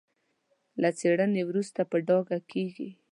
له څېړنې وروسته په ډاګه کېږي.